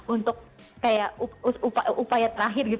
untuk upaya terakhir